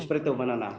seperti itu ma'anana